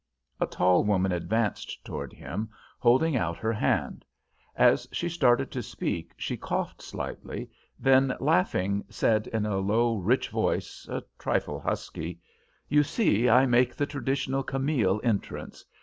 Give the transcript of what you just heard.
A tall woman advanced toward him, holding out her hand. As she started to speak she coughed slightly, then, laughing, said, in a low, rich voice, a trifle husky: "You see I make the traditional Camille entrance.